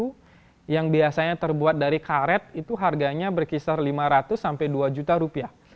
itu yang biasanya terbuat dari karet itu harganya berkisar lima ratus sampai dua juta rupiah